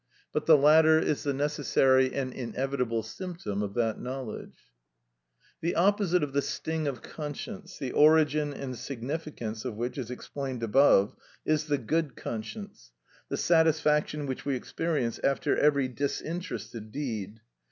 But the latter is the necessary and inevitable symptom of that knowledge. The opposite of the sting of conscience, the origin and significance of which is explained above, is the good conscience, the satisfaction which we experience after every disinterested deed.